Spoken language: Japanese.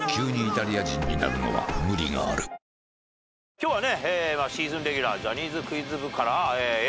今日はねシーズンレギュラー。